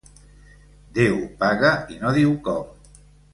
Déu paga i no diu com.